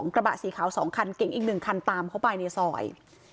กระบะสีขาว๒คันเก๋งอีก๑คันตามเข้าไปในซอย